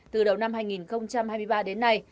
từ đầu năm hai nghìn hai mươi ba đến nay